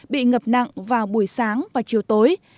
bị ngập nặng vào buổi sáng và chiều tối